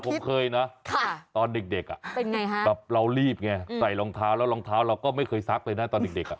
ผมเคยนะตอนเด็กแบบเรารีบไงใส่รองเท้าแล้วรองเท้าเราก็ไม่เคยซักเลยนะตอนเด็ก